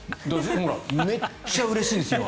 めっちゃうれしいんですよ。